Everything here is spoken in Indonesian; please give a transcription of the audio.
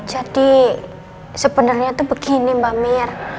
jadi sebenarnya tuh begini mbak mir